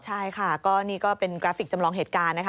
ใช่ค่ะก็นี่ก็เป็นกราฟิกจำลองเหตุการณ์นะคะ